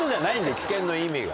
危険の意味が。